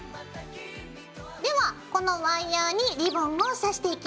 ではこのワイヤーにリボンを刺していきます。